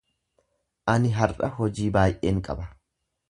Ani har'a hojii baay'een qaba.